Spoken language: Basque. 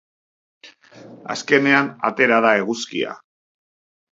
Azkenean atera da eguzkia!